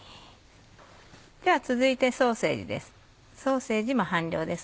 では続いてソーセージです